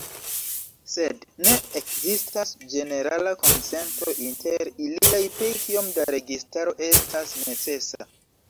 Sed ne ekzistas ĝenerala konsento inter iliaj pri kiom da registaro estas necesa.